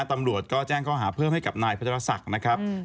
ตำรวจก็แจ้งข้อหาเพิ่มให้กับนายพัทรศักดิ์นะครับ